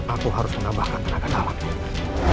aku harus menambahkan tenaga dalamnya